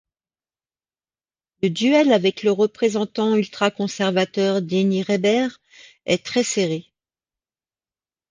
Le duel avec le représentant ultra-conservateur Denny Rehberg est très serré.